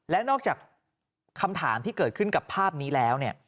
และนอกจากคำถามที่เกิดขึ้นกับภาพนี้แล้ว